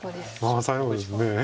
ああ最後です。